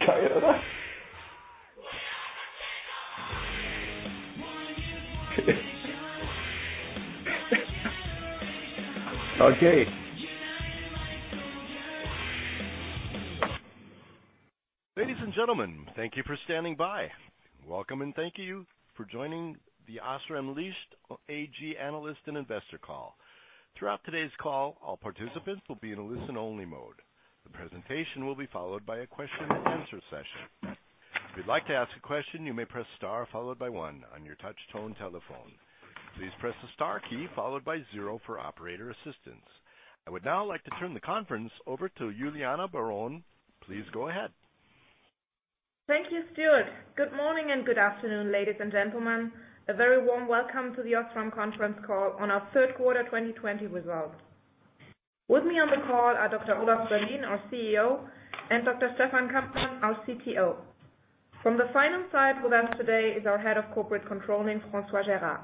Ladies and gentlemen, thank you for standing by. Welcome, and thank you for joining the OSRAM Licht AG Analyst and Investor Call. Throughout today's call, all participants will be in a listen-only mode. The presentation will be followed by a question and answer session. If you'd like to ask a question, you may press star followed by one on your touch-tone telephone. Please press the star key followed by 0 for operator assistance. I would now like to turn the conference over to Juliana Baron. Please go ahead. Thank you, Stuart. Good morning and good afternoon, ladies and gentlemen. A very warm welcome to the OSRAM conference call on our third quarter 2020 results. With me on the call are Dr. Olaf Berlien, our CEO, and Dr. Stefan Kampmann, our CTO. From the finance side with us today is our Head of Corporate Controlling, François Gérard.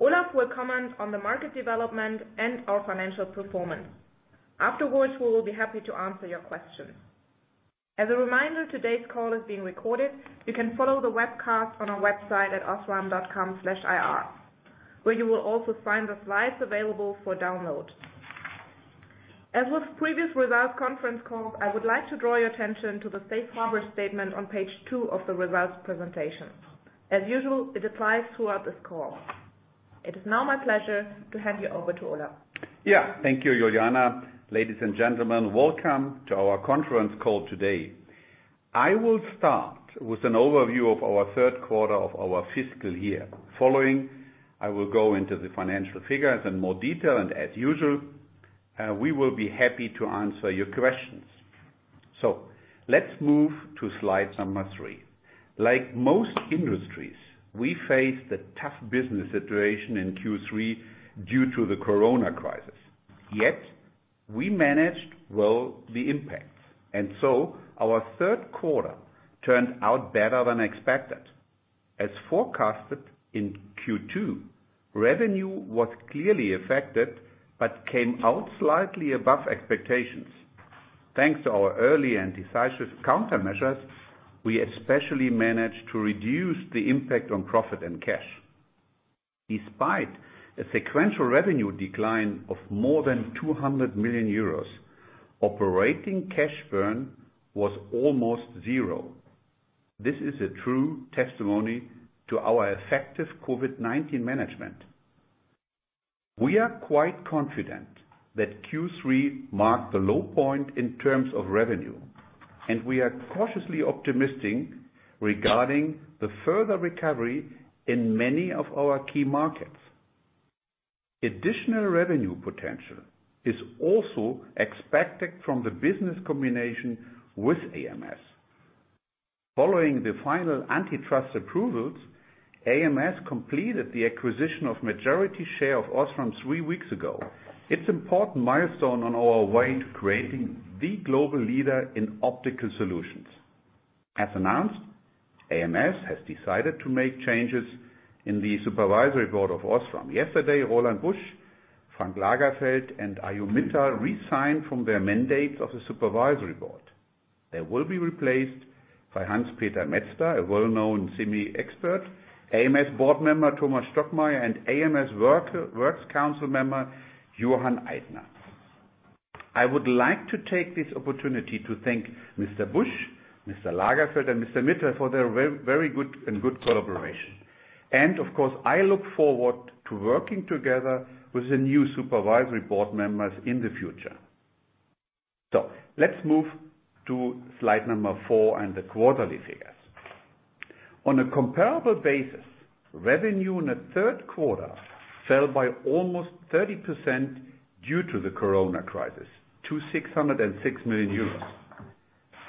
Olaf will comment on the market development and our financial performance. Afterwards, we will be happy to answer your questions. As a reminder, today's call is being recorded. You can follow the webcast on our website at osram.com/ir, where you will also find the slides available for download. As with previous results conference calls, I would like to draw your attention to the safe harbor statement on page two of the results presentation. As usual, it applies throughout this call. It is now my pleasure to hand you over to Olaf. Thank you, Juliana. Ladies and gentlemen, welcome to our conference call today. I will start with an overview of our third quarter of our fiscal year. Following, I will go into the financial figures in more detail, and as usual, we will be happy to answer your questions. Let's move to slide number three. Like most industries, we faced a tough business situation in Q3 due to the COVID-19 crisis. Yet we managed well the impacts, and so our third quarter turned out better than expected. As forecasted in Q2, revenue was clearly affected but came out slightly above expectations. Thanks to our early and decisive countermeasures, we especially managed to reduce the impact on profit and cash. Despite a sequential revenue decline of more than 200 million euros, operating cash burn was almost zero. This is a true testimony to our effective COVID-19 management. We are quite confident that Q3 marked the low point in terms of revenue, and we are cautiously optimistic regarding the further recovery in many of our key markets. Additional revenue potential is also expected from the business combination with AMS. Following the final antitrust approvals, AMS completed the acquisition of majority share of OSRAM three weeks ago. It's an important milestone on our way to creating the global leader in optical solutions. As announced, AMS has decided to make changes in the Supervisory Board of OSRAM. Yesterday, Roland Busch, Frank Lakerveld, and Arunjai Mittal resigned from their mandates of the Supervisory Board. They will be replaced by Hans-Peter Metzler, a well-known semi expert, AMS board member Thomas Stockmeier, and AMS works council member Johann Eitner. I would like to take this opportunity to thank Mr. Busch, Mr. Lakerveld, and Mr. Mittal for their very good collaboration. Of course, I look forward to working together with the new Supervisory Board Members in the future. Let's move to slide number four and the quarterly figures. On a comparable basis, revenue in the third quarter fell by almost 30% due to the COVID-19 crisis to 606 million euros.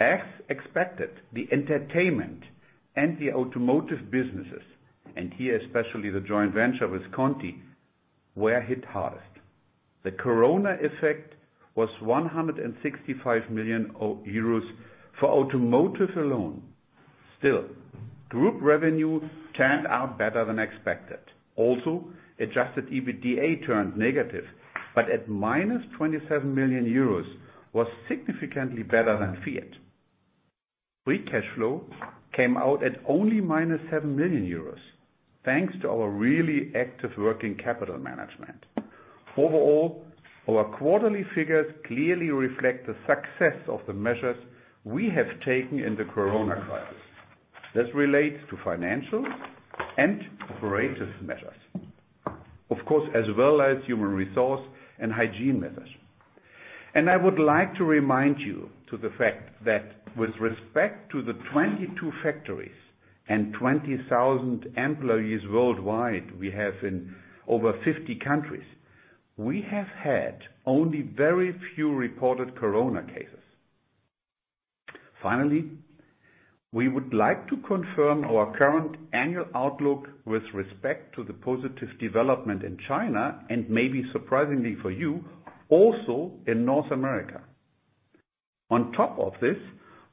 As expected, the entertainment and the Automotive businesses, and here especially the joint venture with Conti, were hit hardest. The COVID-19 effect was 165 million euros for Automotive alone. Group revenue turned out better than expected. Adjusted EBITDA turned negative, but at -27 million euros, was significantly better than feared. Free cash flow came out at only -7 million euros thanks to our really active working capital management. Our quarterly figures clearly reflect the success of the measures we have taken in the COVID-19 crisis. This relates to financial and operative measures. Of course, as well as human resource and hygiene measures. I would like to remind you to the fact that with respect to the 22 factories and 20,000 employees worldwide we have in over 50 countries, we have had only very few reported corona cases. Finally, we would like to confirm our current annual outlook with respect to the positive development in China and maybe surprisingly for you, also in North America. On top of this,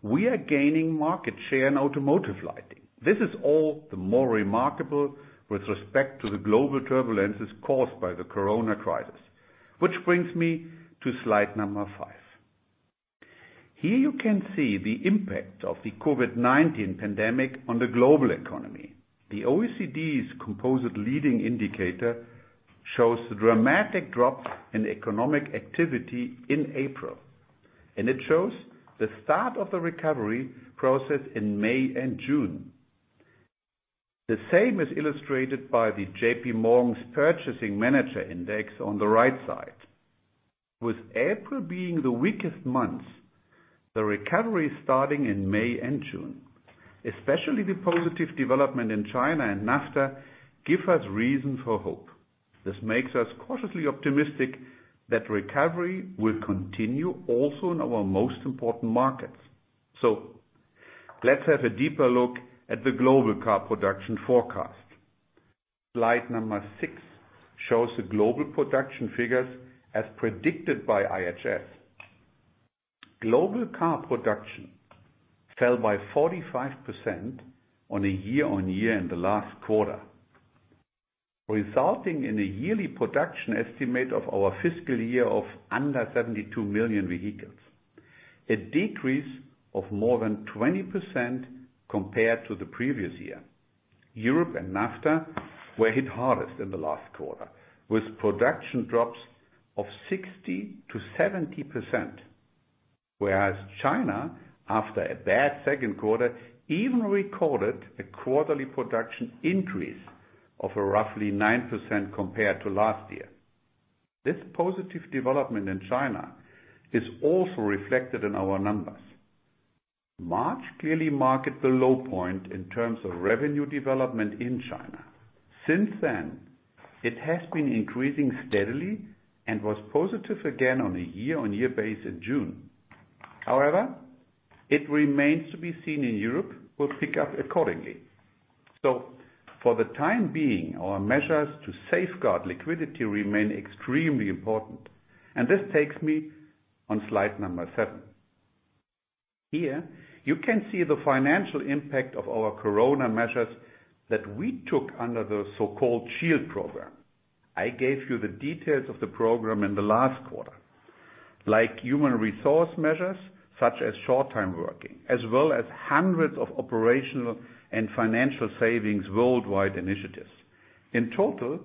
we are gaining market share in automotive lighting. This is all the more remarkable with respect to the global turbulences caused by the corona crisis. Which brings me to slide number five. Here you can see the impact of the COVID-19 pandemic on the global economy. The OECD's composite leading indicator shows a dramatic drop in economic activity in April, and it shows the start of the recovery process in May and June. The same is illustrated by the JPMorgan's Purchasing Manager Index on the right side. With April being the weakest month, the recovery starting in May and June. Especially the positive development in China and NAFTA give us reason for hope. This makes us cautiously optimistic that recovery will continue also in our most important markets. Let's have a deeper look at the global car production forecast. Slide number six shows the global production figures as predicted by IHS. Global car production fell by 45% on a year-on-year in the last quarter, resulting in a yearly production estimate of our fiscal year of under 72 million vehicles. A decrease of more than 20% compared to the previous year. Europe and NAFTA were hit hardest in the last quarter, with production drops of 60%-70%, whereas China, after a bad second quarter, even recorded a quarterly production increase of roughly 9% compared to last year. This positive development in China is also reflected in our numbers. March clearly marked the low point in terms of revenue development in China. Since then, it has been increasing steadily and was positive again on a year-on-year base in June. However, it remains to be seen if Europe will pick up accordingly. For the time being, our measures to safeguard liquidity remain extremely important, and this takes me on slide number seven. Here you can see the financial impact of our corona measures that we took under the so-called SHIELD program. I gave you the details of the program in the last quarter. Like human resource measures such as short-time working, as well as hundreds of operational and financial savings worldwide initiatives. In total,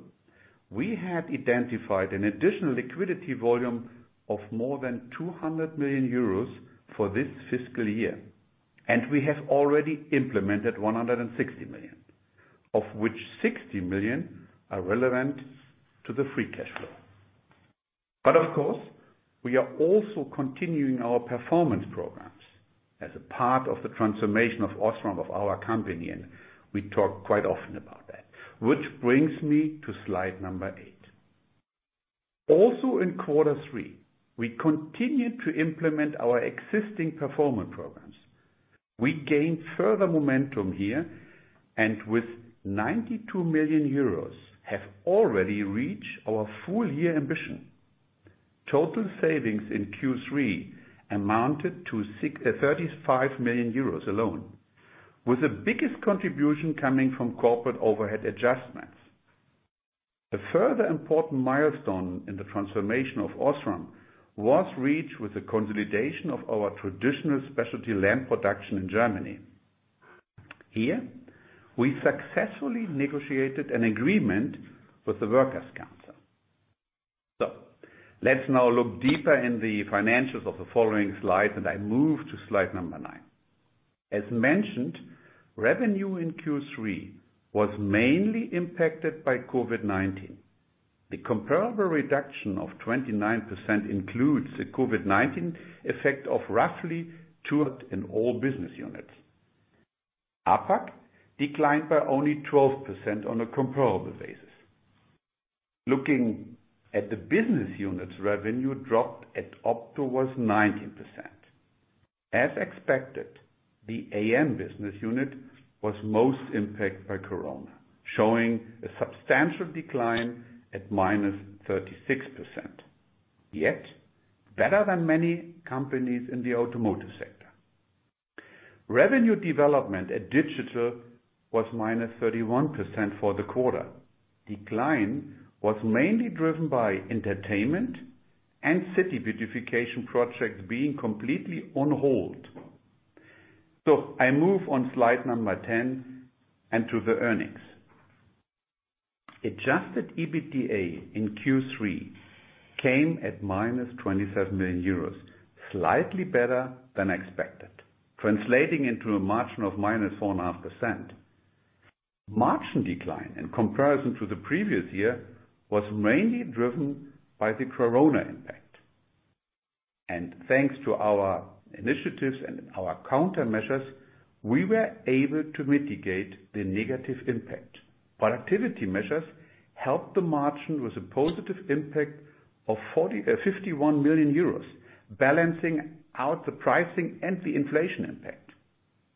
we have identified an additional liquidity volume of more than 200 million euros for this fiscal year, and we have already implemented 160 million, of which 60 million are relevant to the free cash flow. Of course, we are also continuing our performance programs as a part of the transformation of OSRAM, of our company, and we talk quite often about that. Which brings me to slide number eight. Also in quarter three, we continued to implement our existing performance programs. We gained further momentum here, and with 92 million euros have already reached our full-year ambition. Total savings in Q3 amounted to 35 million euros alone, with the biggest contribution coming from corporate overhead adjustments. A further important milestone in the transformation of OSRAM was reached with the consolidation of our traditional specialty lamp production in Germany. Here, we successfully negotiated an agreement with the Workers Council. Let's now look deeper in the financials of the following slides, and I move to slide number nine. As mentioned, revenue in Q3 was mainly impacted by COVID-19. The comparable reduction of 29% includes the COVID-19 effect of roughly two in all business units. APAC declined by only 12% on a comparable basis. Looking at the business units, revenue dropped at Opto was 19%. As expected, the AM business unit was most impacted by corona, showing a substantial decline at -36%, yet better than many companies in the automotive sector. Revenue development at Digital was -31% for the quarter. Decline was mainly driven by entertainment and city beautification projects being completely on hold. I move on slide number 10 and to the earnings. Adjusted EBITDA in Q3 came at -27 million euros, slightly better than expected, translating into a margin of -4.5%. Margin decline in comparison to the previous year was mainly driven by the corona impact. Thanks to our initiatives and our countermeasures, we were able to mitigate the negative impact. Productivity measures helped the margin with a positive impact of 51 million euros, balancing out the pricing and the inflation impact.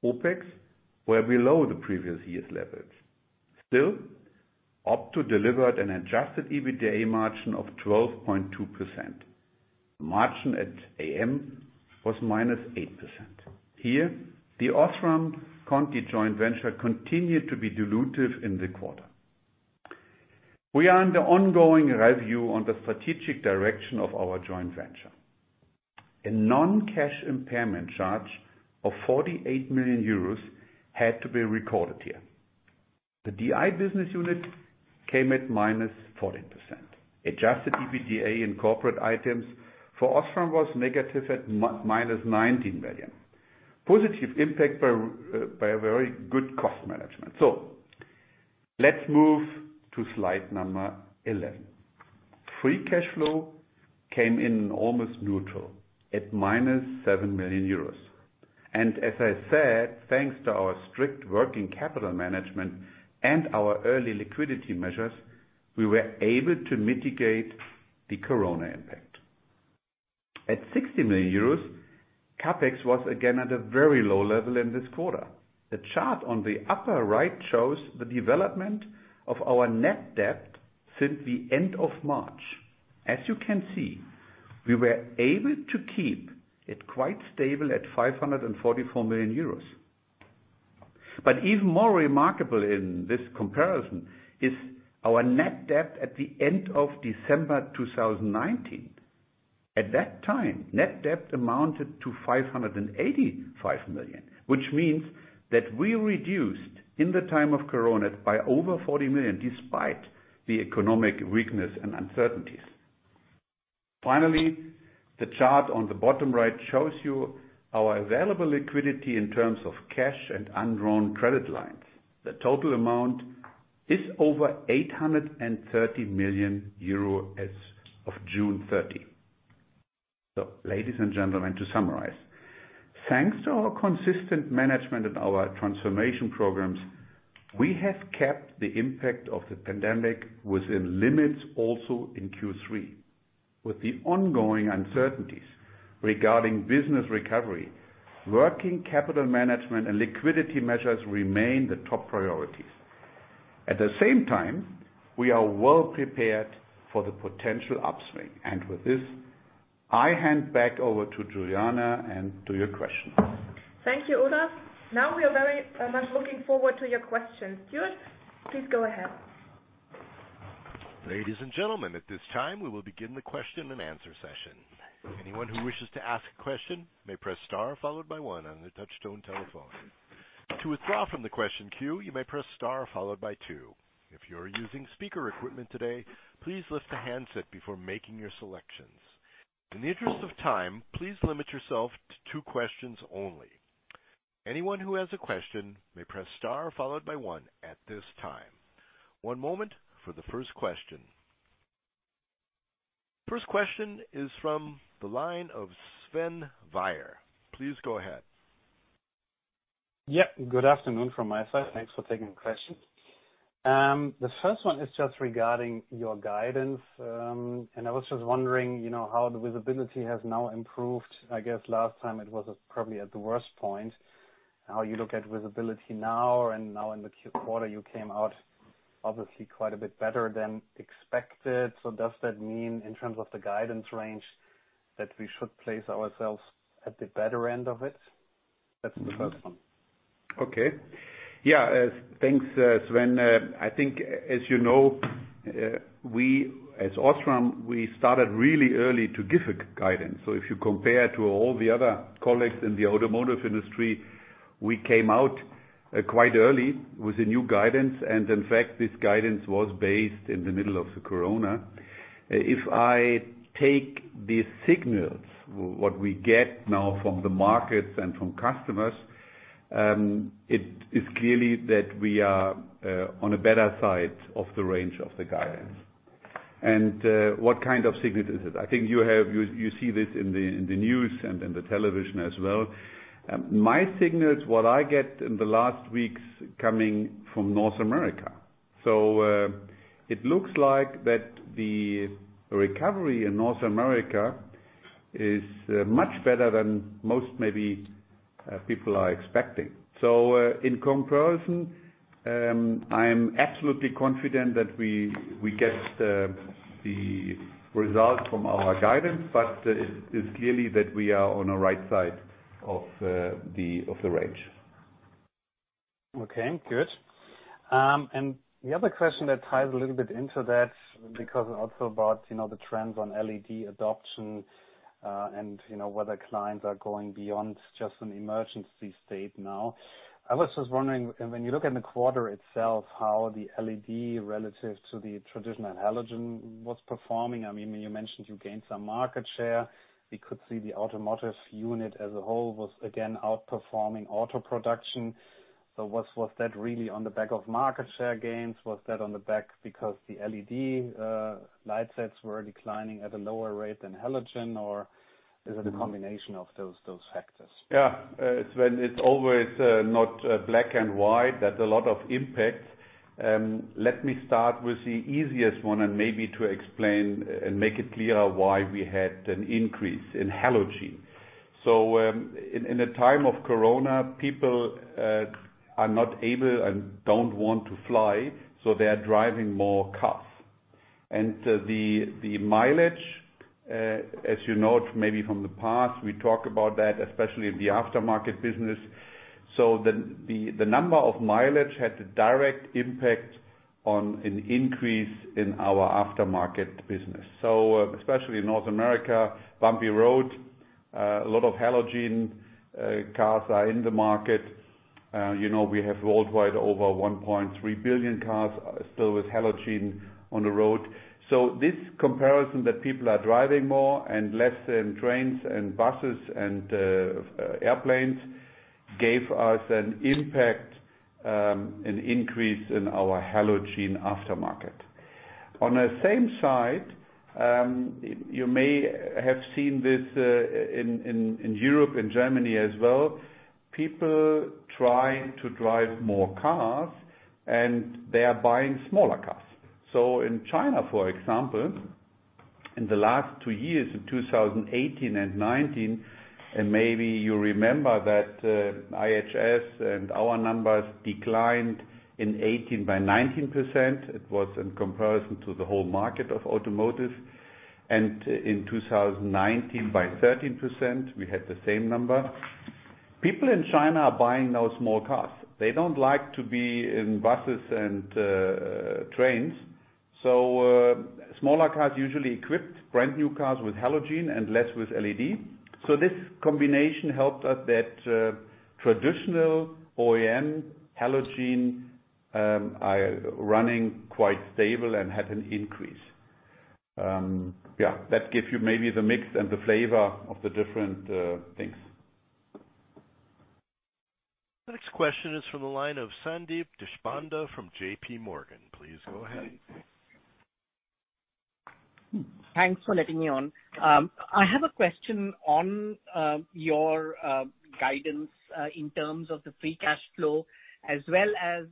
OpEx were below the previous year's levels. Still, Opto delivered an adjusted EBITDA margin of 12.2%. Margin at AM was -8%. Here, the OSRAM Conti joint venture continued to be dilutive in the quarter. We are under ongoing review on the strategic direction of our joint venture. A non-cash impairment charge of 48 million euros had to be recorded here. The DI business unit came at -14%. Adjusted EBITDA in corporate items for OSRAM was negative at -19 million. Positive impact by a very good cost management. Let's move to slide number 11. Free cash flow came in almost neutral at -7 million euros. As I said, thanks to our strict working capital management and our early liquidity measures, we were able to mitigate the coronavirus impact. At 60 million euros, CapEx was again at a very low level in this quarter. The chart on the upper right shows the development of our net debt since the end of March. As you can see, we were able to keep it quite stable at 544 million euros. Even more remarkable in this comparison is our net debt at the end of December 2019. At that time, net debt amounted to 585 million, which means that we reduced in the time of COVID-19 by over 40 million, despite the economic weakness and uncertainties. The chart on the bottom right shows you our available liquidity in terms of cash and undrawn credit lines. The total amount is over 830 million euro as of June 30. Ladies and gentlemen, to summarize, thanks to our consistent management and our transformation programs, we have kept the impact of the pandemic within limits also in Q3. With the ongoing uncertainties regarding business recovery, working capital management and liquidity measures remain the top priorities. At the same time, we are well prepared for the potential upswing. With this, I hand back over to Juliana and to your questions. Thank you, Olaf. Now we are very much looking forward to your questions. Stuart, please go ahead. Ladies and gentlemen, at this time, we will begin the question and answer session. Anyone who wishes to ask a question may press star followed by one on their touchtone telephone. To withdraw from the question queue, you may press star followed by two. If you're using speaker equipment today, please lift the handset before making your selections. In the interest of time, please limit yourself to two questions only. Anyone who has a question may press star followed by one at this time. One moment for the first question. First question is from the line of Sven Weier. Please go ahead. Yeah. Good afternoon from my side. Thanks for taking the question. The first one is just regarding your guidance. I was just wondering how the visibility has now improved. I guess last time it was probably at the worst point, how you look at visibility now and now in the quarter, you came out obviously quite a bit better than expected. Does that mean in terms of the guidance range that we should place ourselves at the better end of it? That's the first one. Okay. Thanks, Sven. I think, as you know, we as OSRAM, we started really early to give a guidance. If you compare to all the other colleagues in the automotive industry, we came out quite early with a new guidance, and in fact, this guidance was based in the middle of the coronavirus. If I take the signals, what we get now from the markets and from customers, it is clearly that we are on a better side of the range of the guidance. What kind of signal is it? I think you see this in the news and in the television as well. My signals, what I get in the last weeks coming from North America, it looks like that the recovery in North America is much better than most maybe people are expecting. In comparison, I am absolutely confident that we get the result from our guidance, but it's clearly that we are on a right side of the range. Okay, good. The other question that ties a little bit into that because also about the trends on LED adoption, and whether clients are going beyond just an emergency state now. I was just wondering, when you look in the quarter itself, how the LED relative to the traditional halogen was performing. You mentioned you gained some market share. We could see the automotive unit as a whole was again outperforming auto production. Was that really on the back of market share gains? Was that on the back because the LED light sets were declining at a lower rate than halogen? Is it a combination of those factors? Yeah. It is always not black and white. There is a lot of impact. Let me start with the easiest one and maybe to explain and make it clearer why we had an increase in halogen. In the time of COVID-19, people are not able and don't want to fly, they are driving more cars. The mileage, as you know, maybe from the past, we talk about that, especially in the aftermarket business. The number of mileage had a direct impact on an increase in our aftermarket business. Especially in North America, bumpy road, a lot of halogen cars are in the market. We have worldwide over 1.3 billion cars still with halogen on the road. This comparison that people are driving more and less in trains and buses and airplanes gave us an impact, an increase in our halogen aftermarket. On the same side, you may have seen this in Europe, in Germany as well. People try to drive more cars and they are buying smaller cars. In China, for example, in the last two years, in 2018 and 2019, and maybe you remember that IHS and our numbers declined in 2018 by 19%. It was in comparison to the whole market of automotive. In 2019 by 13%, we had the same number. People in China are buying now small cars. They don't like to be in buses and trains. Smaller cars usually equipped brand new cars with halogen and less with LED. This combination helped us that traditional OEM halogen are running quite stable and had an increase. Yeah, that give you maybe the mix and the flavor of the different things. The next question is from the line of Sandeep Deshpande from JPMorgan. Please go ahead. Thanks for letting me on. I have a question on your guidance in terms of the free cash flow, as well as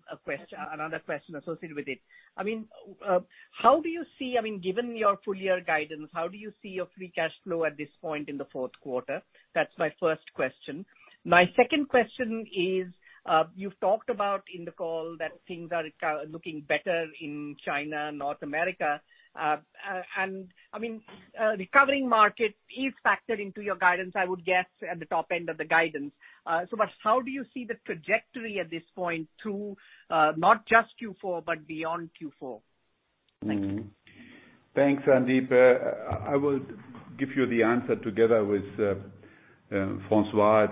another question associated with it. Given your full year guidance, how do you see your free cash flow at this point in the fourth quarter? That's my first question. My second question is, you've talked about in the call that things are looking better in China, North America. Recovering market is factored into your guidance, I would guess, at the top end of the guidance. How do you see the trajectory at this point through not just Q4, but beyond Q4? Thank you. Thanks, Sandeep. I will give you the answer together with François.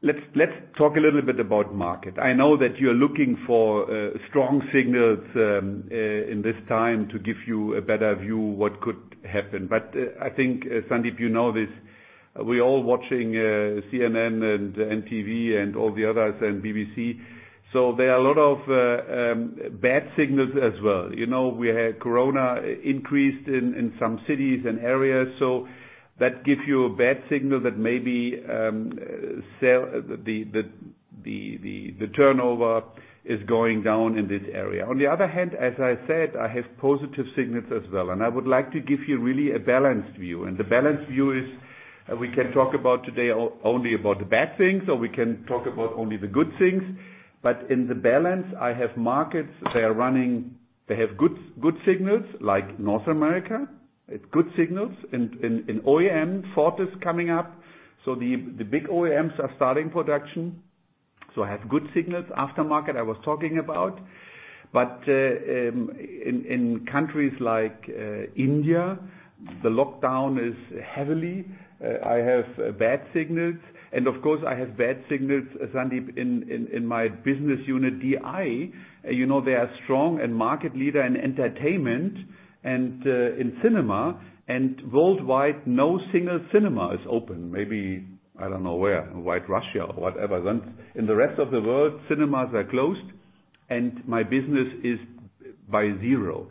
Let's talk a little bit about market. I know that you're looking for strong signals in this time to give you a better view what could happen. I think, Sandeep, you know this. We're all watching CNN and NTV and all the others and BBC. There are a lot of bad signals as well. We had COVID increased in some cities and areas, so that give you a bad signal that maybe the turnover is going down in this area. On the other hand, as I said, I have positive signals as well, and I would like to give you really a balanced view. The balanced view is we can talk about today only about the bad things, or we can talk about only the good things. In the balance, I have markets. They have good signals like North America. It's good signals. OEM, Ford is coming up. The big OEMs are starting production. I have good signals. Aftermarket, I was talking about. In countries like India, the lockdown is heavily. I have bad signals. Of course, I have bad signals, Sandeep, in my business unit DI. They are strong and market leader in entertainment and in cinema, and worldwide, no single cinema is open. Maybe, I don't know where, Belarus or whatever. In the rest of the world, cinemas are closed and my business is by zero.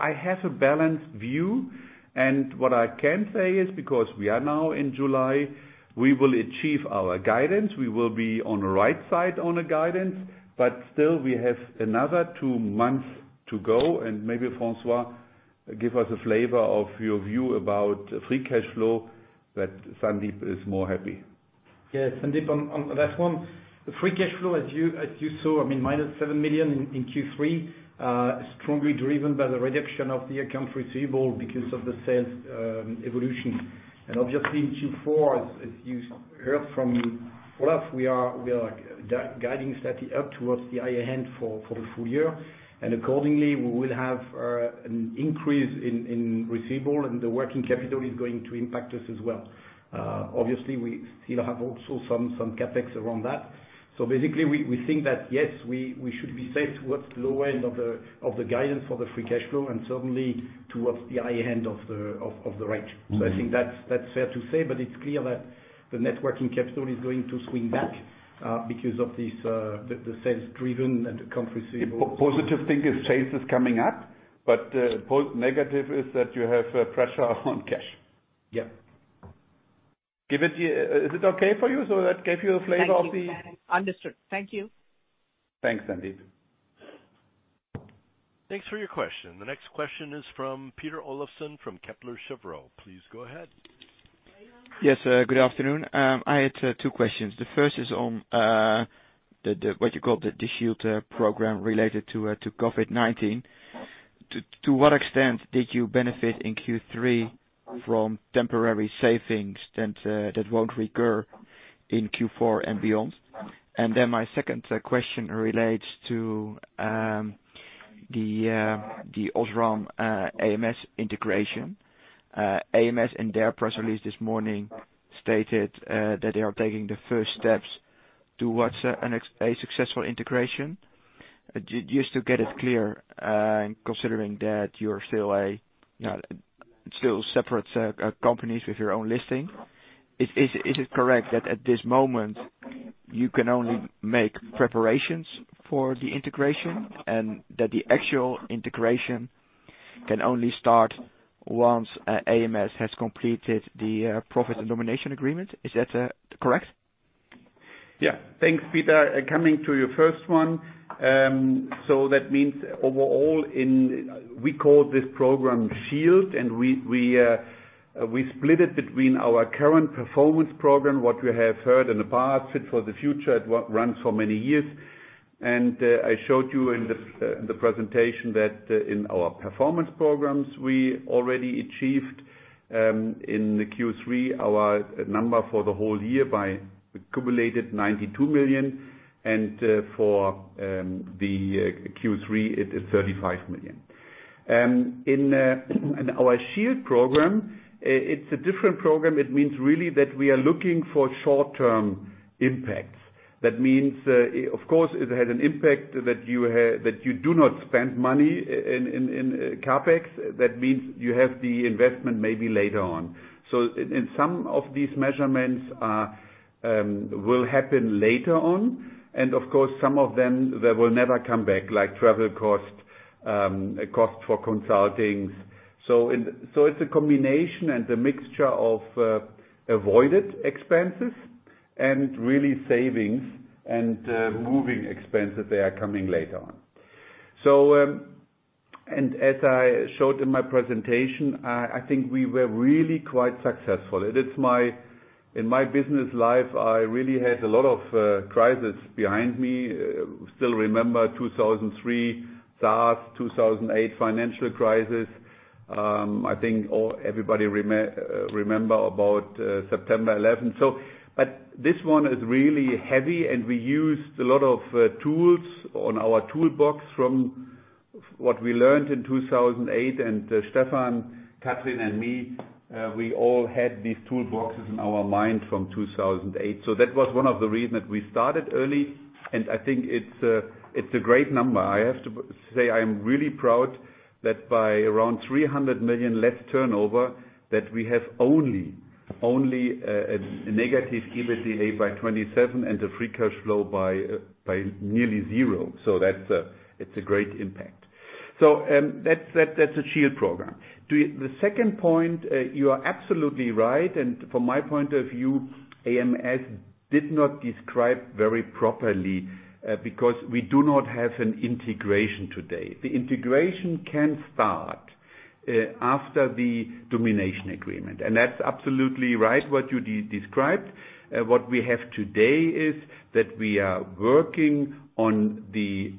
I have a balanced view, and what I can say is because we are now in July, we will achieve our guidance. We will be on the right side on the guidance, still we have another two months to go. Maybe François, give us a flavor of your view about free cash flow that Sandeep is more happy. Yeah, Sandeep, on that one, the free cash flow as you saw, -7 million in Q3, strongly driven by the reduction of the account receivable because of the sales evolution. Obviously in Q4, as you heard from Olaf, we are guiding steady up towards the higher end for the full year. Accordingly, we will have an increase in receivable and the working capital is going to impact us as well. Obviously, we still have also some CapEx around that. Basically, we think that, yes, we should be safe towards the low end of the guidance for the free cash flow and certainly towards the high end of the range. I think that's fair to say, but it's clear that the net working capital is going to swing back because of the sales driven and account receivable. The positive thing is cash is coming up, but negative is that you have pressure on cash. Yeah. Is it okay for you? That gave you a flavor of the. Thank you. Understood. Thank you. Thanks, Sandeep. Thanks for your question. The next question is from Peter Olofsen from Kepler Cheuvreux. Please go ahead. Yes. Good afternoon. I had two questions. The first is on what you call the SHIELD program related to COVID-19. To what extent did you benefit in Q3 from temporary savings that won't recur in Q4 and beyond? My second question relates to the OSRAM AMS integration. AMS, in their press release this morning, stated that they are taking the first steps towards a successful integration. Just to get it clear, considering that you're still separate companies with your own listing, is it correct that at this moment, you can only make preparations for the integration, and that the actual integration can only start once AMS has completed the profit and domination agreement? Is that correct? Thanks, Peter. Coming to your first one. That means overall, we call this program SHIELD, and we split it between our current performance program, what we have heard in the past, Fit for the Future. It runs for many years. I showed you in the presentation that in our performance programs, we already achieved, in the Q3, our number for the whole year by accumulated 92 million, and for the Q3, it is 35 million. In our SHIELD program, it's a different program. It means really that we are looking for short-term impacts. That means, of course, it has an impact that you do not spend money in CapEx. That means you have the investment maybe later on. Some of these measurements will happen later on. Of course, some of them, they will never come back, like travel cost for consultings. It's a combination and a mixture of avoided expenses and really savings and moving expenses, they are coming later on. As I showed in my presentation, I think we were really quite successful. In my business life, I really had a lot of crises behind me. Still remember 2003, SARS, 2008 financial crisis. I think everybody remember about September 11th. This one is really heavy, and we used a lot of tools on our toolbox from what we learned in 2008. Stefan, Kathrin, and me, we all had these toolboxes in our mind from 2008. That was one of the reasons that we started early, and I think it's a great number. I have to say, I am really proud that by around 300 million less turnover, that we have only a negative EBITDA by 27 and the free cash flow by nearly zero. It's a great impact. That's the SHIELD program. To the second point, you are absolutely right, and from my point of view, AMS did not describe very properly, because we do not have an integration today. The integration can start after the domination agreement, and that's absolutely right what you described. What we have today is that we are working on the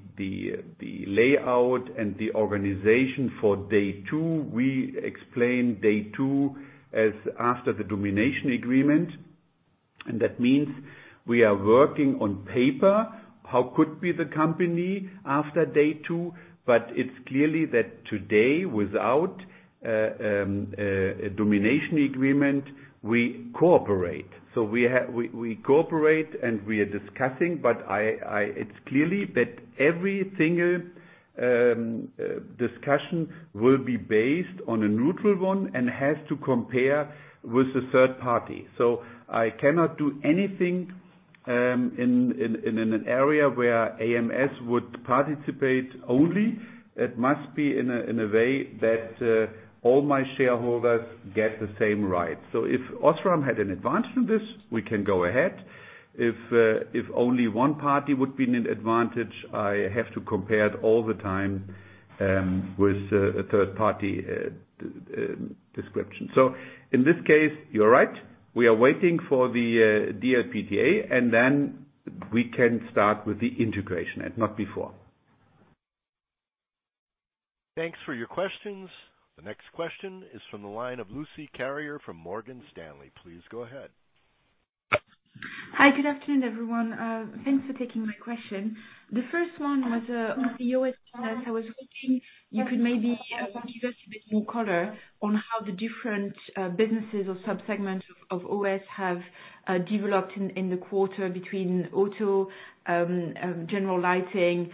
layout and the organization for day two. We explain day two as after the domination agreement, and that means we are working on paper, how could be the company after day two? It's clearly that today, without a domination agreement, we cooperate. We cooperate, and we are discussing, but it's clearly that every single discussion will be based on a neutral one and has to compare with a third party. I cannot do anything in an area where AMS would participate only. It must be in a way that all my shareholders get the same rights. If OSRAM had an advantage from this, we can go ahead. If only one party would be in an advantage, I have to compare it all the time with a third-party description. In this case, you're right. We are waiting for the DPLTA, and then we can start with the integration, and not before. Thanks for your questions. The next question is from the line of Lucie Carrier from Morgan Stanley. Please go ahead. Hi, good afternoon, everyone. Thanks for taking my question. The first one was on the OS business. I was hoping you could maybe give us a bit more color on how the different businesses or subsegments of OS have developed in the quarter between auto, general lighting,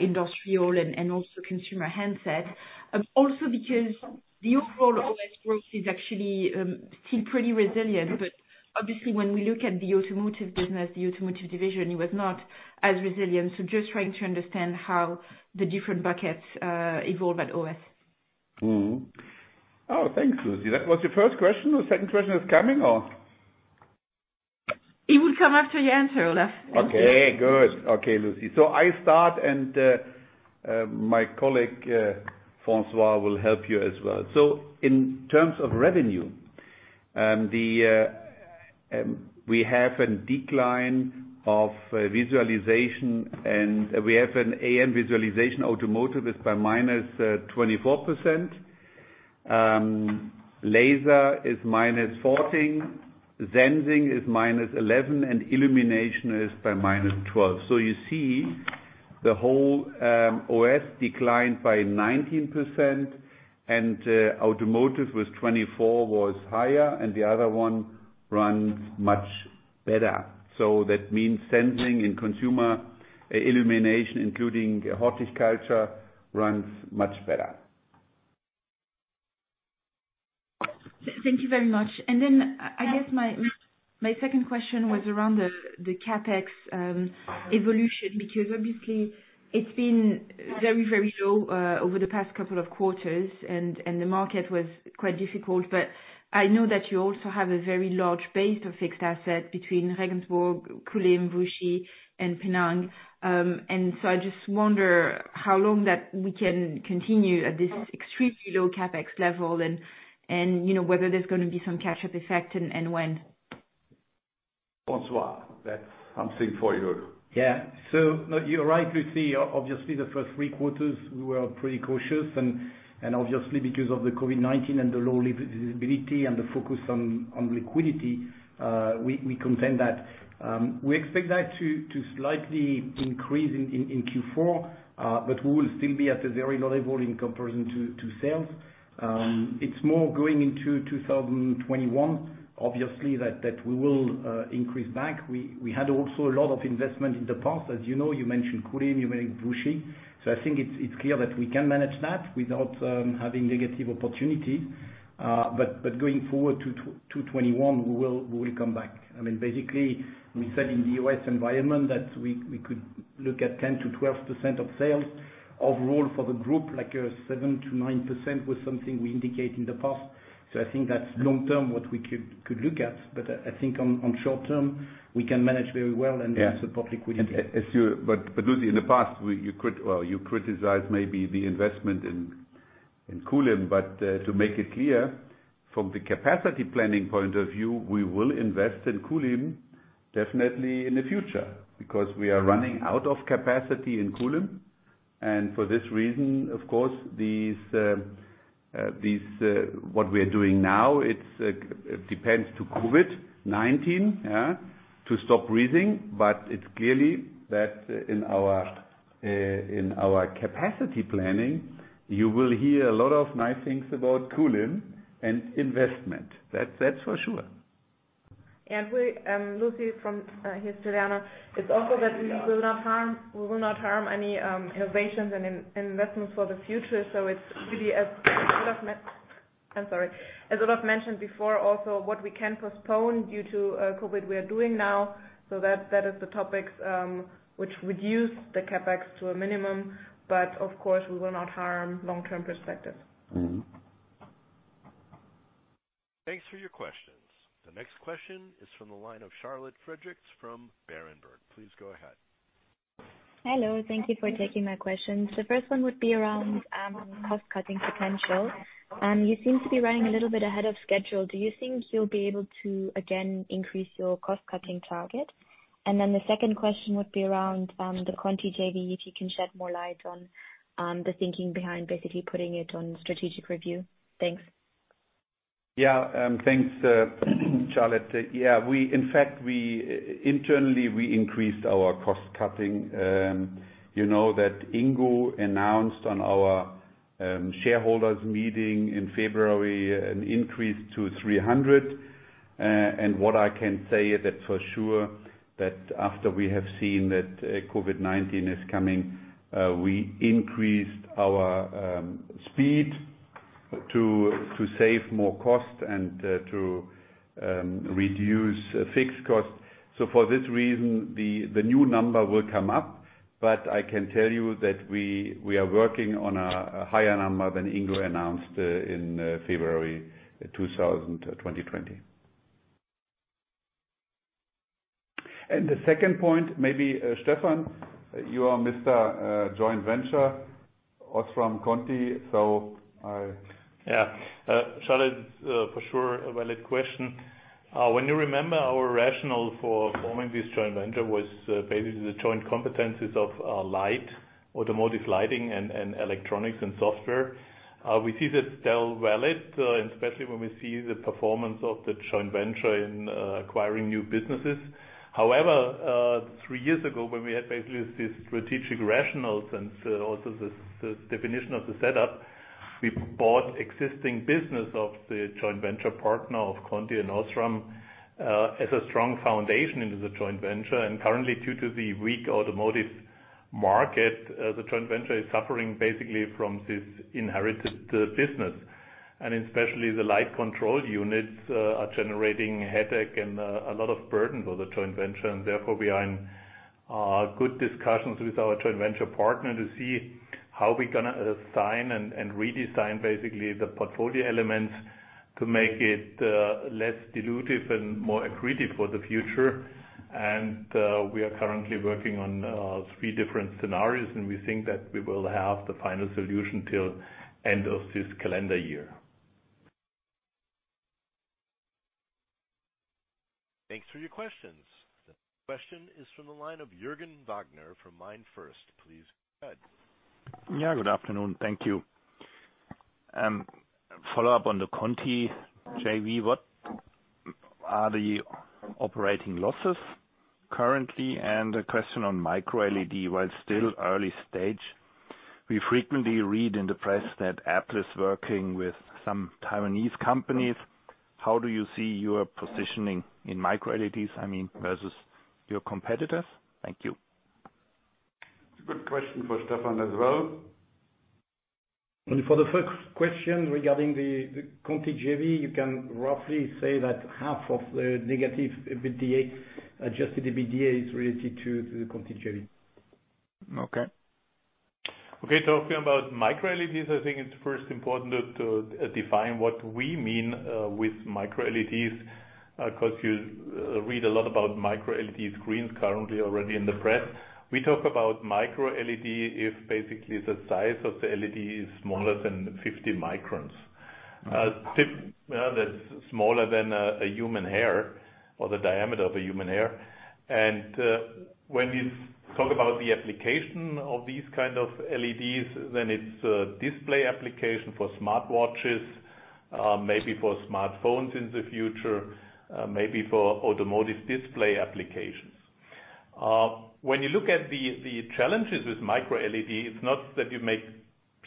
industrial, and also consumer handset. Because the overall OS growth is actually still pretty resilient. Obviously, when we look at the automotive business, the automotive division, it was not as resilient. Just trying to understand how the different buckets evolve at OS. Oh, thanks, Lucie. That was your first question? The second question is coming, or? It will come after your answer, Olaf. Okay, good. Okay, Lucie. I start, and my colleague, François, will help you as well. In terms of revenue, we have a decline of visualization, and we have an AM visualization automotive is by -24%. Laser is -14%. Sensing is -11%, and illumination is by -12%. You see the whole OS declined by 19%, and automotive was 24%, was higher, and the other one runs much better. That means sensing and consumer illumination, including horticulture, runs much better. Thank you very much. I guess my second question was around the CapEx evolution, because obviously it's been very low over the past couple of quarters, and the market was quite difficult. I know that you also have a very large base of fixed assets between Regensburg, Kulim, Wuxi, and Penang. I just wonder how long that we can continue at this extremely low CapEx level and whether there's going to be some catch-up effect and when. François, that's something for you. You're right, Lucie. Obviously, the first three quarters, we were pretty cautious and obviously because of the COVID-19 and the low visibility and the focus on liquidity, we contend that. We expect that to slightly increase in Q4, we will still be at a very low level in comparison to sales. It's more going into 2021, obviously, that we will increase back. We had also a lot of investment in the past. As you know, you mentioned Kulim, you mentioned Wuxi. I think it's clear that we can manage that without having negative opportunities. Going forward to 2021, we will come back. Basically, we said in the U.S. environment that we could look at 10%-12% of sales. Overall for the group, like 7%-9% was something we indicate in the past. I think that's long-term what we could look at. I think on short-term, we can manage very well and support liquidity. Lucie, in the past, you criticized maybe the investment in Kulim. To make it clear, from the capacity planning point of view, we will invest in Kulim definitely in the future because we are running out of capacity in Kulim. For this reason, of course, what we are doing now, it depends to COVID-19 to stop breathing, but it's clearly that in our capacity planning, you will hear a lot of nice things about Kulim and investment. That's for sure. Lucie. Here's Juliana. It's also that we will not harm any innovations and investments for the future. I'm sorry. As Olaf mentioned before, also, what we can postpone due to COVID, we are doing now. That is the topics which reduce the CapEx to a minimum, but of course, we will not harm long-term perspectives. Thanks for your questions. The next question is from the line of Charlotte Friedrichs from Berenberg. Please go ahead. Hello. Thank you for taking my questions. The first one would be around cost-cutting potential. You seem to be running a little bit ahead of schedule. Do you think you'll be able to, again, increase your cost-cutting target? The second question would be around the Conti JV, if you can shed more light on the thinking behind basically putting it on strategic review. Thanks. Thanks, Charlotte. In fact, internally, we increased our cost-cutting. You know that Ingo announced on our shareholders meeting in February an increase to 300. What I can say that for sure, that after we have seen that COVID-19 is coming, we increased our speed to save more cost and to reduce fixed cost. For this reason, the new number will come up, but I can tell you that we are working on a higher number than Ingo announced in February 2020. The second point, maybe Stefan, you are Mr. joint venture, OSRAM Conti. I Yeah. Charlotte, for sure, a valid question. When you remember our rationale for forming this joint venture was basically the joint competencies of light, automotive lighting, and electronics and software. We see that still valid, especially when we see the performance of the joint venture in acquiring new businesses. However, three years ago, when we had basically this strategic rationales and also the definition of the setup, we bought existing business of the joint venture partner of Conti and OSRAM as a strong foundation into the joint venture. Currently, due to the weak automotive market, the joint venture is suffering basically from this inherited business. Especially the light control units are generating headache and a lot of burden for the joint venture. Therefore, we are in good discussions with our joint venture partner to see how we're going to assign and redesign, basically, the portfolio elements to make it less dilutive and more accretive for the future. We are currently working on three different scenarios, and we think that we will have the final solution till end of this calendar year. Thanks for your questions. The next question is from the line of Jürgen Wagner from MainFirst. Please go ahead. Yeah, good afternoon. Thank you. Follow-up on the Conti JV, what are the operating losses currently? A question on micro LED. While still early stage, we frequently read in the press that Apple is working with some Taiwanese companies. How do you see your positioning in micro LEDs, I mean, versus your competitors? Thank you. It's a good question for Stefan as well. For the first question regarding the Conti JV, you can roughly say that half of the negative EBITDA, adjusted EBITDA, is related to the Conti JV. Okay. Okay. Talking about micro LEDs, I think it's first important to define what we mean with micro LEDs, because you read a lot about micro LED screens currently already in the press. We talk about micro LED, if basically the size of the LED is smaller than 50 microns. That's smaller than a human hair or the diameter of a human hair. When we talk about the application of these kind of LEDs, then it's a display application for smartwatches, maybe for smartphones in the future, maybe for automotive display applications. When you look at the challenges with micro LED, it's not that you make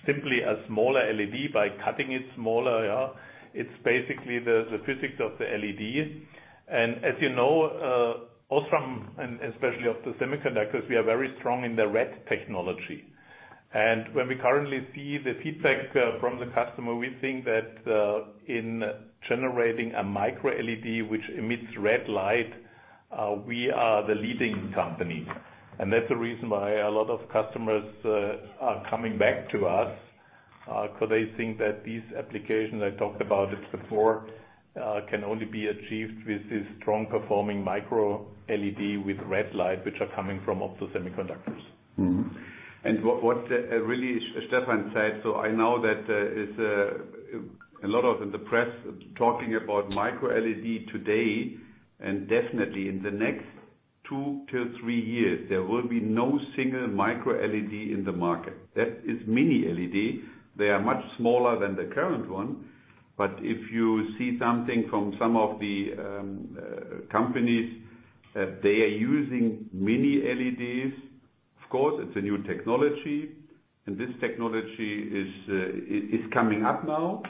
simply a smaller LED by cutting it smaller. It's basically the physics of the LED. As you know, OSRAM and especially Opto Semiconductors, we are very strong in the red technology. When we currently see the feedback from the customer, we think that in generating a micro LED which emits red light, we are the leading company. That's the reason why a lot of customers are coming back to us, because they think that these applications, I talked about it before, can only be achieved with this strong performing micro LED with red light, which are coming from Opto Semiconductors. What really Stefan said, I know that there is a lot of the press talking about micro LED today, and definitely in the next two to three years, there will be no single micro LED in the market. That is mini LED. They are much smaller than the current one. If you see something from some of the companies, they are using mini LEDs. Of course, it's a new technology, and this technology is coming up now.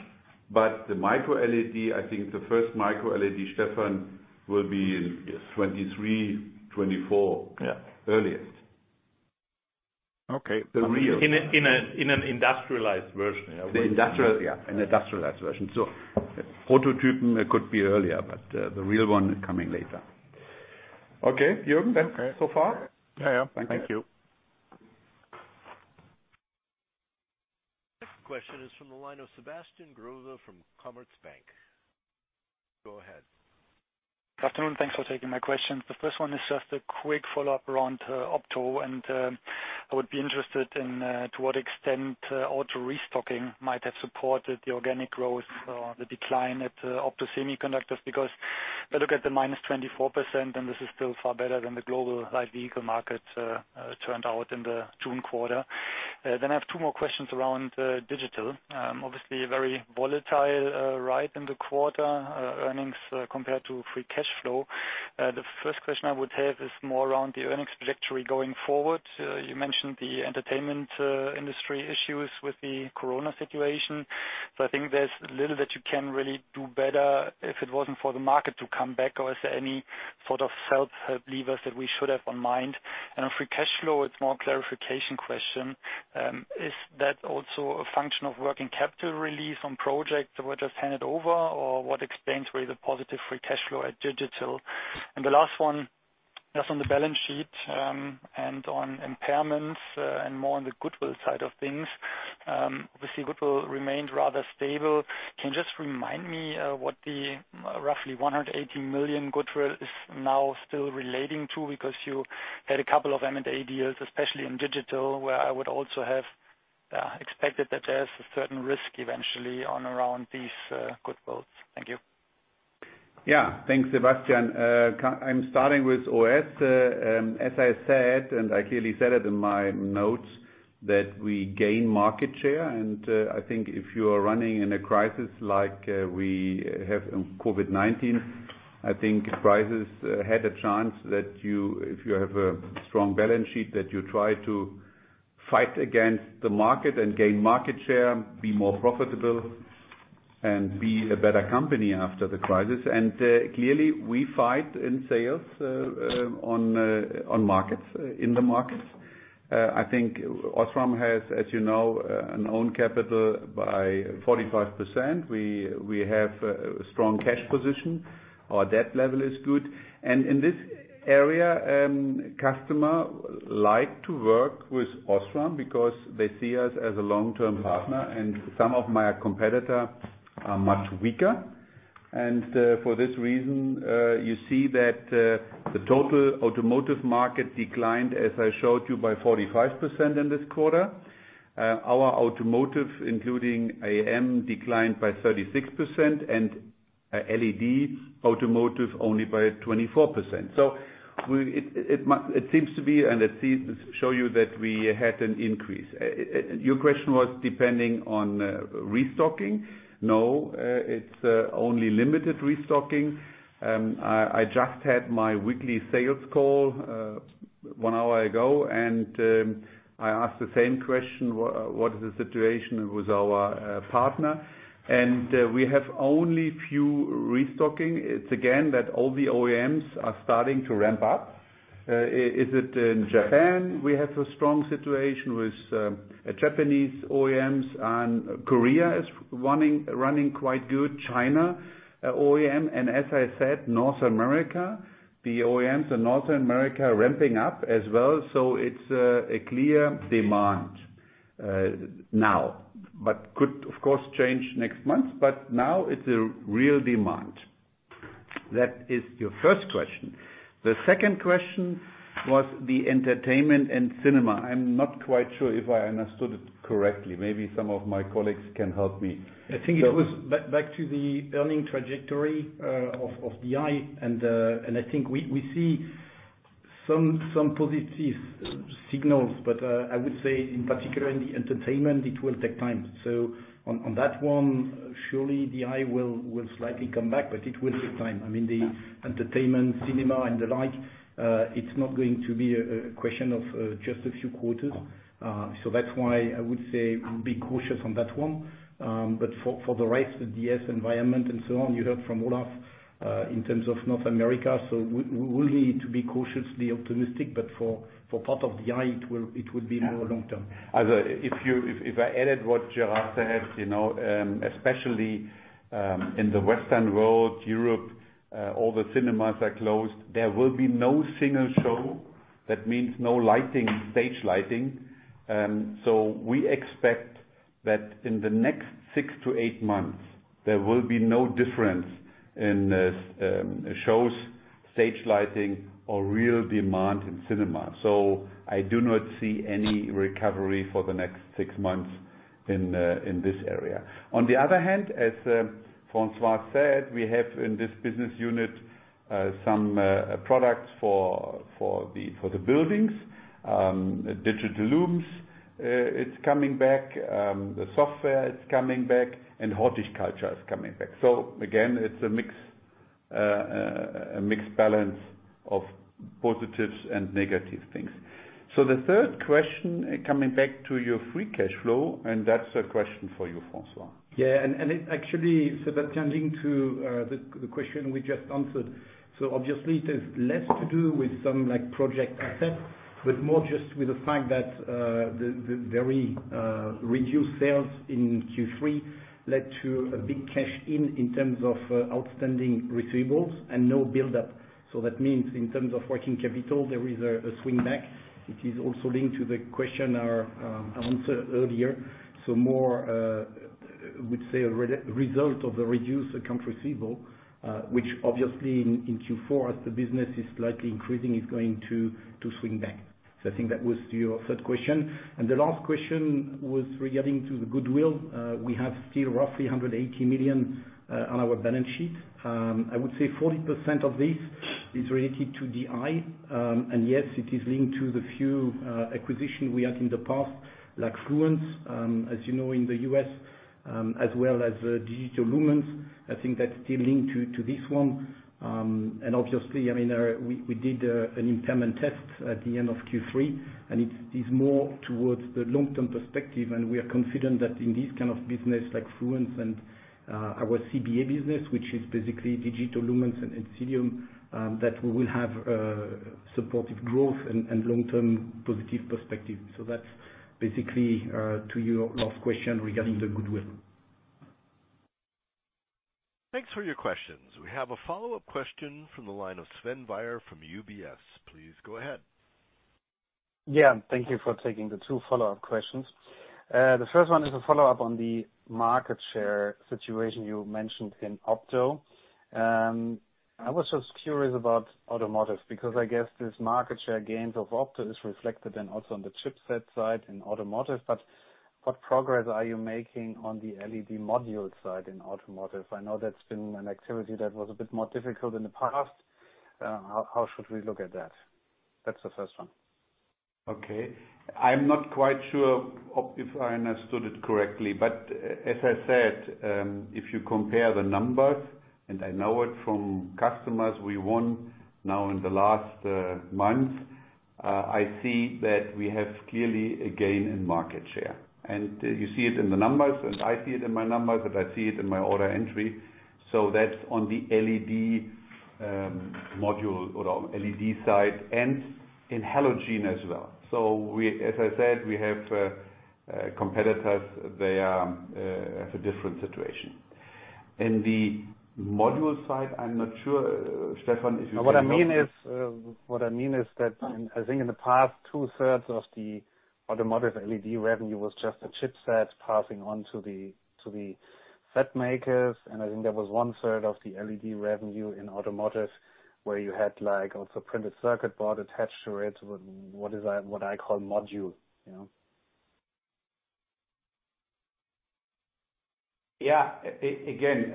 The micro LED, I think the first micro LED, Stefan, will be in 2023, 2024 earliest. Yeah. Okay. In an industrialized version, yeah. The industrialized, yeah. An industrialized version. Prototype could be earlier, but the real one coming later. Okay, Jürgen, that's so far? Yeah. Thank you. Next question is from the line of Sebastian Growe from Commerzbank. Go ahead. Good afternoon. Thanks for taking my questions. The first one is just a quick follow-up around Opto. I would be interested in to what extent auto restocking might have supported the organic growth or the decline at Opto Semiconductors, because I look at the -24%, and this is still far better than the global light vehicle market turned out in the June quarter. I have two more questions around Digital. Obviously, a very volatile ride in the quarter earnings compared to free cash flow. The first question I would have is more around the earnings trajectory going forward. You mentioned the entertainment industry issues with the Corona situation. I think there's little that you can really do better if it wasn't for the market to come back, or is there any sort of self-help levers that we should have on mind? On free cash flow, it's more clarification question. Is that also a function of working capital release on projects that were just handed over, or what explains really the positive free cash flow at Digital? The last one, just on the balance sheet and on impairments and more on the goodwill side of things. Obviously, goodwill remained rather stable. Can you just remind me what the roughly 180 million goodwill is now still relating to? Because you had a couple of M&A deals, especially in Digital, where I would also have expected that there's a certain risk eventually on around these good wills. Thank you. Yeah. Thanks, Sebastian. I'm starting with OS. As I said, and I clearly said it in my notes, that we gain market share. I think if you are running in a crisis like we have in COVID-19, I think crisis had a chance that if you have a strong balance sheet, that you try to fight against the market and gain market share, be more profitable and be a better company after the crisis. Clearly, we fight in sales in the markets. I think OSRAM has, as you know, an own capital by 45%. We have a strong cash position. Our debt level is good. In this area, customer like to work with OSRAM because they see us as a long-term partner, and some of my competitor are much weaker. For this reason, you see that the total automotive market declined, as I showed you, by 45% in this quarter. Our automotive, including AM, declined by 36%, and LED automotive only by 24%. It seems to show you that we had an increase. Your question was depending on restocking. No, it's only limited restocking. I just had my weekly sales call one hour ago, and I asked the same question, what is the situation with our partner? We have only few restocking. It's again that all the OEMs are starting to ramp up. Is it in Japan? We have a strong situation with Japanese OEMs, and Korea is running quite good. China OEM. As I said, North America, the OEMs in North America are ramping up as well. It's a clear demand now, but could, of course, change next month, but now it's a real demand. That is your first question. The second question was the entertainment and cinema. I'm not quite sure if I understood it correctly. Maybe some of my colleagues can help me. I think it was back to the earning trajectory of DI, and I think we see some positive signals, but I would say in particular in the entertainment, it will take time. On that one, surely DI will slightly come back, but it will take time. I mean, the entertainment, cinema, and the like, it's not going to be a question of just a few quarters. That's why I would say be cautious on that one. For the rest, the DS environment and so on, you heard from Olaf, in terms of North America, so we will need to be cautiously optimistic, but for part of DI, it would be more long-term. If I add what Gérard said, especially in the Western world, Europe, all the cinemas are closed. There will be no single show. That means no stage lighting. We expect that in the next six to eight months, there will be no difference in shows, stage lighting or real demand in cinema. I do not see any recovery for the next six months in this area. On the other hand, as François said, we have in this business unit some products for the buildings. Digital Lumens, it's coming back. The software is coming back and Fluence is coming back. Again, it's a mixed balance of positives and negative things. The third question, coming back to your free cash flow, and that's a question for you, François. That's turning to the question we just answered. Obviously there's less to do with some project assets, but more just with the fact that the very reduced sales in Q3 led to a big cash-in, in terms of outstanding receivables and no buildup. That means in terms of working capital, there is a swing back, which is also linked to the question I answered earlier. More, I would say, a result of the reduced accounts receivable, which obviously in Q4 as the business is slightly increasing, is going to swing back. I think that was your third question. The last question was regarding to the goodwill. We have still roughly 180 million on our balance sheet. I would say 40% of this is related to DI. Yes, it is linked to the few acquisition we had in the past, like Fluence, as you know, in the U.S., as well as Digital Lumens. I think that's still linked to this one. Obviously, we did an impairment test at the end of Q3, and it is more towards the long-term perspective, and we are confident that in this kind of business like Fluence and our CBA business, which is basically Digital Lumens and Encelium, that we will have supportive growth and long-term positive perspective. That's basically to your last question regarding the goodwill. Thanks for your questions. We have a follow-up question from the line of Sven Weier from UBS. Please go ahead. Yeah. Thank you for taking the two follow-up questions. The first one is a follow-up on the market share situation you mentioned in Opto. I was just curious about automotive, because I guess this market share gains of Opto is reflected then also on the chipset side in automotive. But what progress are you making on the LED module side in automotive? I know that's been an activity that was a bit more difficult in the past. How should we look at that? That's the first one. Okay. I'm not quite sure if I understood it correctly. As I said, if you compare the numbers, and I know it from customers we won now in the last month, I see that we have clearly a gain in market share. You see it in the numbers, and I see it in my numbers, but I see it in my order entry. That's on the LED module or LED side and in halogen as well. As I said, we have competitors. They are at a different situation. In the module side, I'm not sure, Stefan, if you can help. What I mean is that I think in the past two-thirds of the automotive LED revenue was just a chipset passing on to the set makers. I think there was one third of the LED revenue in automotive where you had also printed circuit board attached to it, what I call module. Yeah. Again,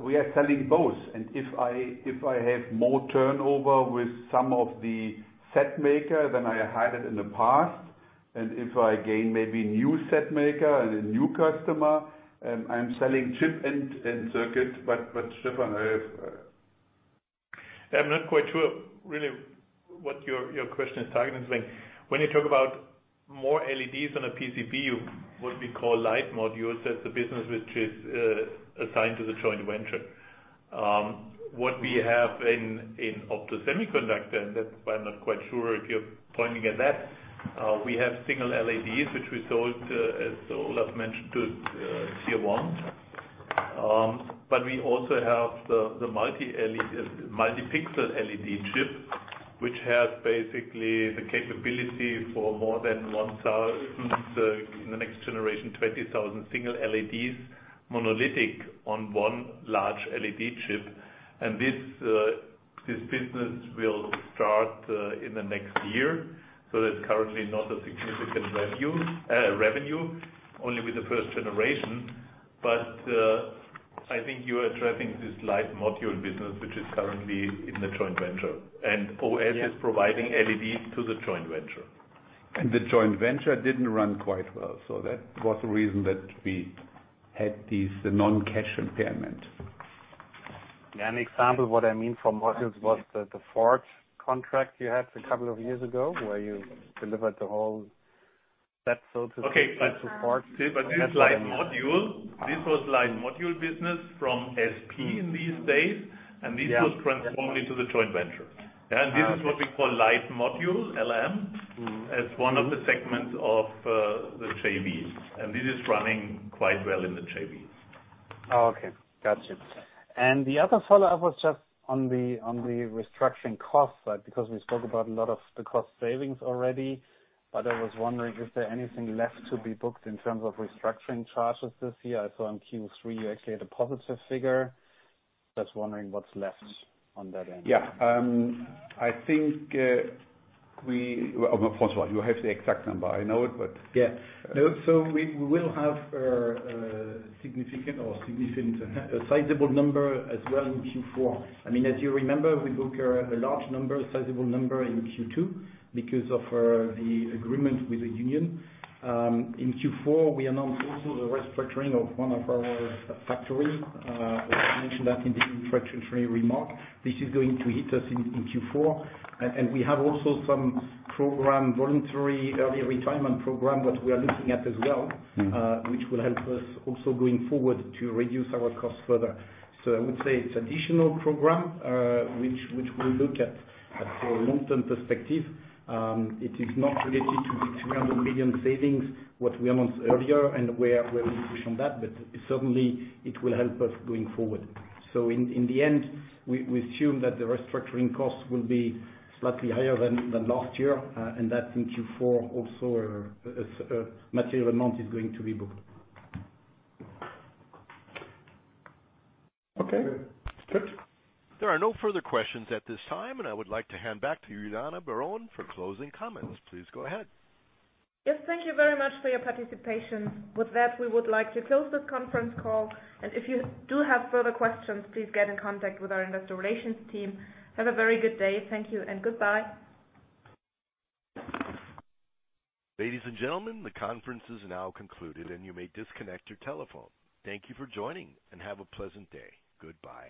we are selling both, and if I have more turnover with some of the set maker than I had it in the past, and if I gain maybe new set maker and a new customer, I'm selling chip and circuit. Stefan, if. I'm not quite sure really what your question is targeting. When you talk about more LEDs on a PCB, what we call light modules, that's the business which is assigned to the joint venture. What we have in Opto Semiconductors, that's why I'm not quite sure if you're pointing at that. We have single LEDs, which we sold, as Olaf mentioned, to tier one. We also have the multi-pixel LED chip, which has basically the capability for more than 1,000, in the next generation, 20,000 single LEDs monolithic on one large LED chip. This business will start in the next year. That's currently not a significant revenue. Only with the first generation. I think you are addressing this light module business, which is currently in the joint venture. Yeah. Is providing LEDs to the joint venture. The joint venture didn't run quite well, so that was the reason that we had these non-cash impairment. An example, what I mean from modules was the Ford contract you had a couple of years ago, where you delivered the whole set, so to say, to Ford. Okay. This was light module business from SP in these days, and this was transformed into the joint venture. Yeah. Okay. This is what we call light module, LM, as one of the segments of the JVs. This is running quite well in the JVs. Oh, okay. Got it. The other follow-up was just on the restructuring cost side, because we spoke about a lot of the cost savings already. I was wondering if there anything left to be booked in terms of restructuring charges this year. I saw in Q3 you actually had a positive figure. Just wondering what's left on that end. Yeah. I think François, you have the exact number. I know it, but. Yeah. We will have a significant or a sizable number as well in Q4. As you remember, we book a large number, a sizable number in Q2 because of the agreement with the union. In Q4, we announced also the restructuring of one of our factories. I mentioned that in the introductory remark. This is going to hit us in Q4. We have also some program, voluntary early retirement program that we are looking at as well, which will help us also going forward to reduce our costs further. I would say it's additional program, which we look at for long-term perspective. It is not related to the 300 million savings, what we announced earlier, and where we position that. Certainly, it will help us going forward. In the end, we assume that the restructuring costs will be slightly higher than last year. That in Q4 also, a material amount is going to be booked. Okay. Good. There are no further questions at this time, and I would like to hand back to Juliana Baron for closing comments. Please go ahead. Yes, thank you very much for your participation. With that, we would like to close this conference call. If you do have further questions, please get in contact with our investor relations team. Have a very good day. Thank you and goodbye. Ladies and gentlemen, the conference is now concluded, and you may disconnect your telephone. Thank you for joining, and have a pleasant day. Goodbye.